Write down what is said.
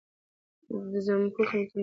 د زمکو قيمتونه زیات شوي دي